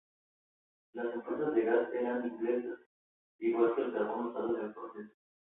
Las empresas de gas eran inglesas, igual que el carbón usado en el proceso.